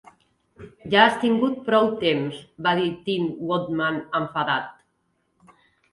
"Ja has tingut prou temps", va dir Tin Woodman enfadat.